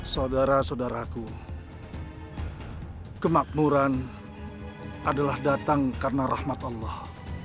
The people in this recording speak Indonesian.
saudara saudaraku kemakmuran adalah datang karena rahmat allah